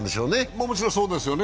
もちろんそうでしょうね。